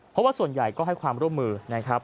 เพราะว่าส่วนใหญ่ก็ให้ความร่วมมือนะครับ